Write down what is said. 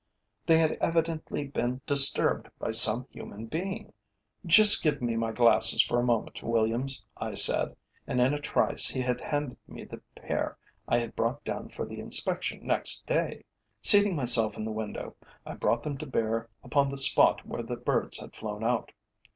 They had evidently been disturbed by some human being. "Just give me my glasses for a moment, Williams," I said, and in a trice he had handed me the pair I had brought down for the inspection next day. Seating myself in the window, I brought them to bear upon the spot where the birds had flown out.